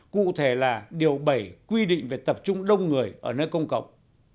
cụ thể là điều bảy quy định về tập trung đông người ở nơi công cộng